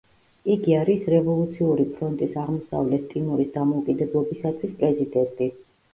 იგი არის „რევოლუციური ფრონტის აღმოსავლეთ ტიმორის დამოუკიდებლობისათვის“ პრეზიდენტი.